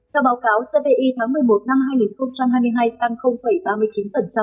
theo báo cáo cpi tháng một mươi một năm hai nghìn hai mươi hai tăng ba mươi chín so với tháng trước